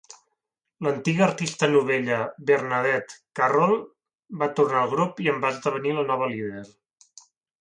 L'antiga artista novella Bernadette Carroll va tornar al grup i en va esdevenir la nova líder.